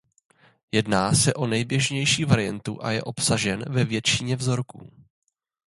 Jedná se o nejběžnější varietu a je obsažen ve většině vzorků.